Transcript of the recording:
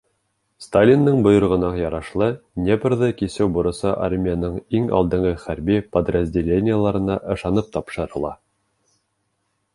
Сталиндың бойороғона ярашлы, Днепрҙы кисеү бурысы армияның иң алдынғы хәрби подразделениеларына ышанып тапшырыла.